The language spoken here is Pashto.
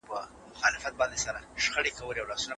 لوستې نجونې د ګډو کارونو منظم ملاتړ کوي.